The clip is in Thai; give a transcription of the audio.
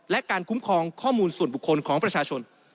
และการคุ้มครองข้อมูลส่วนบุคคลของประชาชน